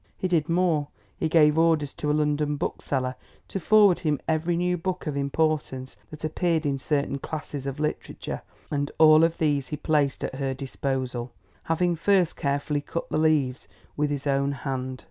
He did more; he gave orders to a London bookseller to forward him every new book of importance that appeared in certain classes of literature, and all of these he placed at her disposal, having first carefully cut the leaves with his own hand.